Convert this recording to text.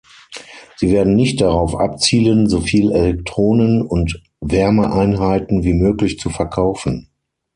Sie werden nicht darauf abzielen, soviel Elektronen und Wärmeeinheiten wie möglich zu verkaufen.